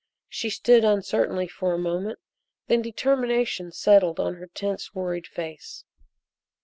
She stood uncertainly for a moment, then determination settled on her tense worried face.